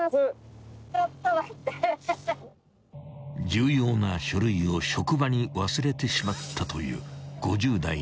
［重要な書類を職場に忘れてしまったという］